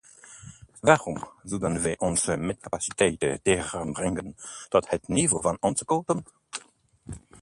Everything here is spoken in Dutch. Waarom zouden we onze mestcapaciteit terugbrengen tot het niveau van ons quotum?